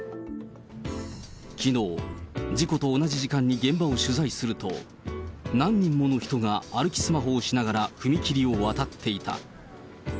きのう、事故と同じ時間に現場を取材すると、何人もの人が歩きスマホをしながら踏切を渡っていた。